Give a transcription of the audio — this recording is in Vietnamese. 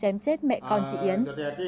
chém chết mẹ con chị yến